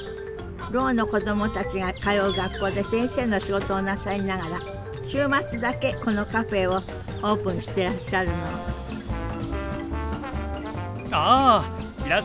ろうの子どもたちが通う学校で先生の仕事をなさりながら週末だけこのカフェをオープンしてらっしゃるのあいらっしゃいませ。